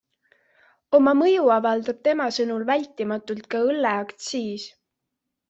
Oma mõju avaldab tema sõnul vältimatult ka õlleaktsiis.